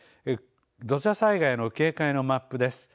土砂災害の警戒のマップです。